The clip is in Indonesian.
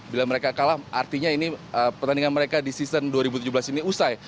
bila mereka kalah artinya ini pertandingan mereka di season dua ribu tujuh belas ini usai